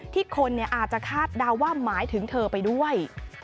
ที่คนอาจจะคาดเดาว่าหมายถึงเธอไปด้วย